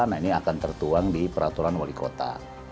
nah ini akan tertuang di peraturan wali kota